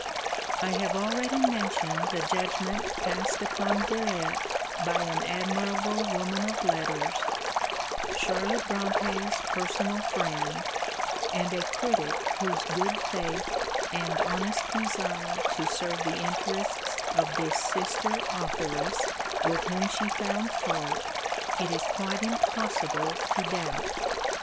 I have already mentioned the judgment passed upon Villette by an admirable woman of letters, Charlotte Brontë's personal friend, and a critic whose good faith, and honest desire to serve the interests of this sister authoress with whom she found fault it is quite impossible to doubt.